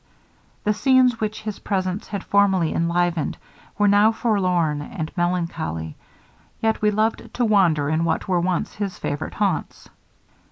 The scenes which his presence had formerly enlivened, were now forlorn and melancholy, yet we loved to wander in what were once his favorite haunts.